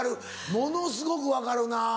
ものすごく分かるな。